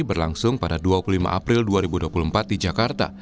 berlangsung pada dua puluh lima april dua ribu dua puluh empat di jakarta